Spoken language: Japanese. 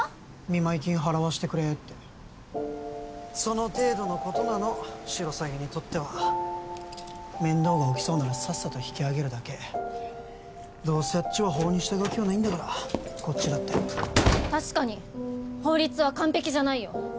見舞金払わせてくれってその程度のことなのシロサギにとっては面倒が起きそうならさっさと引き上げるだけどうせあっちは法に従う気はないんだからこっちだって確かに法律は完璧じゃないよ